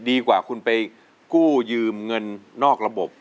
ดีกว่าคุณไปกู้ยืมเงินนอกระบบ